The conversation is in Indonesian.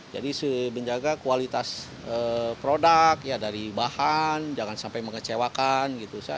jadi menjaga kualitas produk dari bahan jangan sampai mengecewakan